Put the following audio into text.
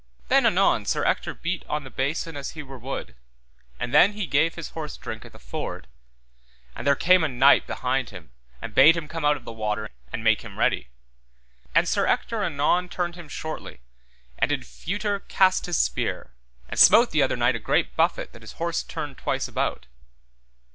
Then anon Sir Ector beat on the basin as he were wood, and then he gave his horse drink at the ford, and there came a knight behind him and bade him come out of the water and make him ready; and Sir Ector anon turned him shortly, and in feuter cast his spear, and smote the other knight a great buffet that his horse turned twice about.